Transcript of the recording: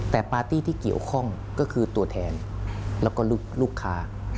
แต่ปาร์ตี้ที่เกี่ยวข้องก็คือตัวแทนแล้วก็ลูกค้า